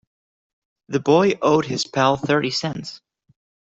The boy owed his pal thirty cents.